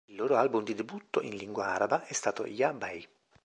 Il loro album di debutto, in lingua araba, è stato "Ya bay".